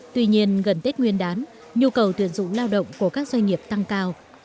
tuy nhiên gần tết nguyên đán nhu cầu tuyển dụng lao động của các doanh nghiệp tăng cao